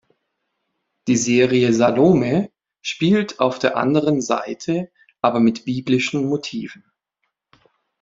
Die Serie "Salome" spielt auf der anderen Seite aber mit biblischen Motiven.